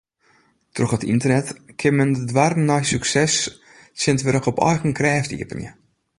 Troch it ynternet kin men de doarren nei sukses tsjintwurdich op eigen krêft iepenje.